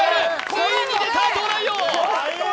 ついに出た東大王。